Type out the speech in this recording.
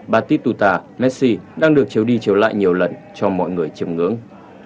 batista messi đang được chiếu đi chiếu lại nhiều lần cho mọi người chìm ngưỡng